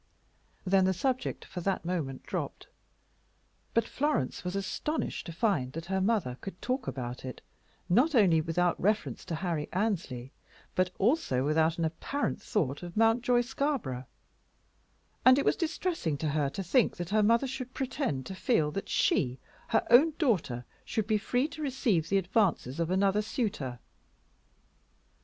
Then the subject for that moment dropped, but Florence was astonished to find that her mother could talk about it, not only without reference to Harry Annesley, but also without an apparent thought of Mountjoy Scarborough; and it was distressing to her to think that her mother should pretend to feel that she, her own daughter, should be free to receive the advances of another suitor.